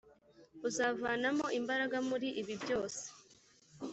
uzavanamo imbaraga muri ibi byose,